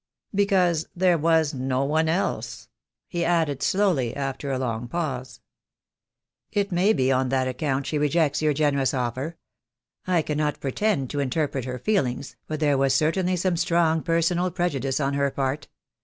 Because there was no one else," he added slowly, after a long pause. "It may be on that account she rejects your generous offer. I cannot pretend to interpret her feelings, but there was certainly some strong personal prejudice on her part.